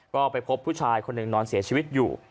ก็ไปพบผู้ชายคนหนึ่งนอนเสียชีวิตอยู่